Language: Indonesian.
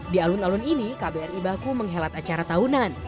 di alun alun ini kbri baku menghelat acara tahunan